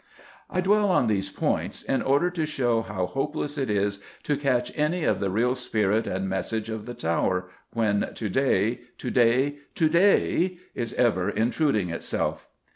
I dwell on these points in order to show how hopeless it is to catch any of the real spirit and message of the Tower when to day, to day, to day, is ever intruding itself.